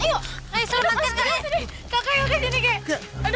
kak kay udah gini kek